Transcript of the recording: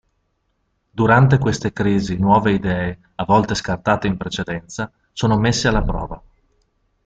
Durante queste crisi nuove idee, a volte scartate in precedenza, sono messe alla prova.